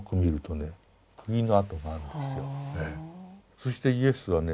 そしてイエスはね